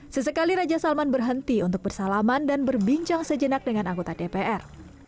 sesekali raja salman berhenti untuk bersalaman dan berbincang sejenak dengan anggota dpr